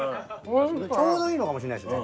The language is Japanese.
ちょうどいいのかもしれないですね。